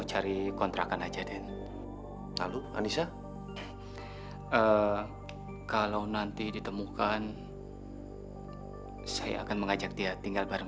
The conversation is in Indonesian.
sampai jumpa di video selanjutnya